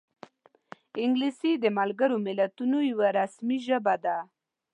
انګلیسي د ملګرو ملتونو یوه رسمي ژبه ده